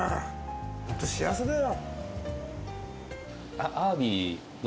ホント幸せだよ。